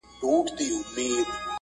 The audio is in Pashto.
خو د عینو مینې ټوله منظره یې